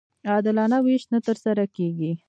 عادلانه وېش نه ترسره کېږي.